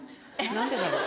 何でだろう？